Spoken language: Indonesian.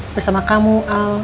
bersama kamu al